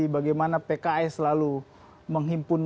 bagaimana pks selalu menghimpun